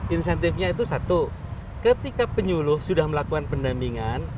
insentifnya itu satu ketika penyuluh sudah melakukan pendampingan